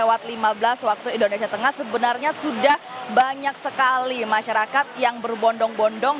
atau indonesia tengah sebenarnya sudah banyak sekali masyarakat yang berbondong bondong